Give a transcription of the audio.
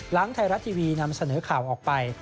หลังไทยรัฐทีวีนำเสนอข่าวออกไป